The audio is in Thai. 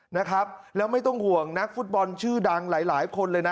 นะครับแล้วไม่ต้องห่วงนักฟุตบอลชื่อดังหลายหลายคนเลยนะ